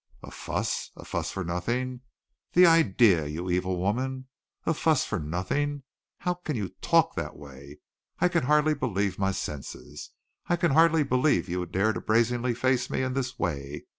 "A fuss! A fuss for nothing the idea, you evil woman. A fuss for nothing. How can you talk that way! I can hardly believe my senses. I can hardly believe you would dare to brazenly face me in this way.